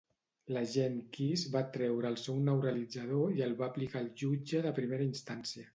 L'agent Keys va treure el seu neuralitzador i el va aplicar al jutge de primera instància.